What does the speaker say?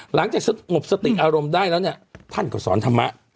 หลังจากสมบสติอารมณ์ได้แล้วเนี่ยท่านก็สอนธรรมะอ่า